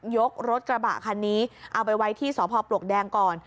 รถกระบะคันนี้เอาไปไว้ที่สพปลวกแดงก่อน